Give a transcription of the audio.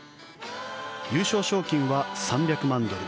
優勝賞金は３００万ドル